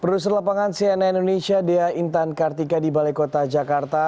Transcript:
produser lapangan cnn indonesia dea intan kartika di balai kota jakarta